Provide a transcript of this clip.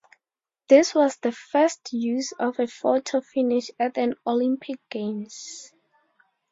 This was the first use of a photo finish at an Olympic Games.